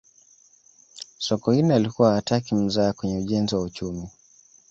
sokoine alikuwa hataki mzaha kwenye ujenzi wa uchumi